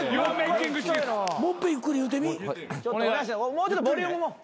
もうちょっとボリュームも。